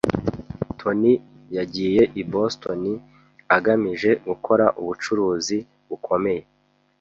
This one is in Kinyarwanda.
Tony yagiye i Boston agamije gukora ubucuruzi bukomeye.